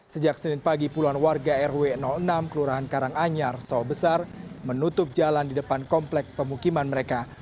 sejak senin pagi puluhan warga rw enam kelurahan karanganyar sawah besar menutup jalan di depan komplek pemukiman mereka